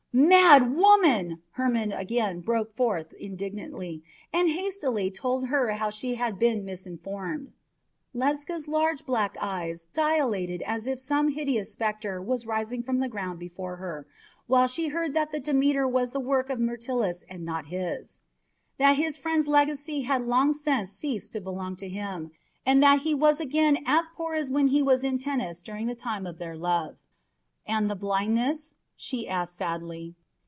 "Mad woman!" Hermon again broke forth indignantly, and hastily told her how she had been misinformed. Ledscha's large black eyes dilated as if some hideous spectre was rising from the ground before her, while she heard that the Demeter was the work of Myrtilus and not his; that his friend's legacy had long since ceased to belong to him, and that he was again as poor as when he was in Tennis during the time of their love. "And the blindness?" she asked sadly.